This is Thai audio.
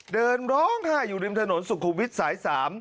เดินร้องไห้อยู่ริมถนนสุขุมวิทย์สาย๓